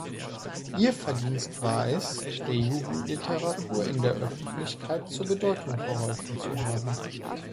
Ihr Verdienst war es, der Jugendliteratur in der Öffentlichkeit zu Bedeutung verholfen zu haben.